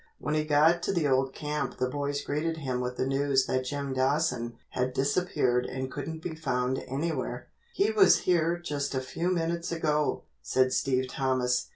When he got to the old camp the boys greeted him with the news that Jim Dawson had disappeared and couldn't be found anywhere. "He was here just a few minutes ago," said Steve Thomas.